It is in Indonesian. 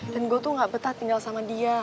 dan gua tuh gak betah tinggal sama dia